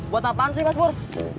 buat apaan sih mas bur